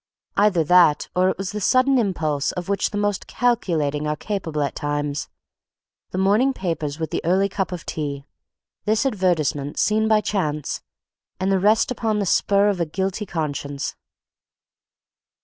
Either that, or it was the sudden impulse of which the most calculating are capable at times; the morning papers with the early cup of tea, this advertisement seen by chance, and the rest upon the spur of a guilty conscience.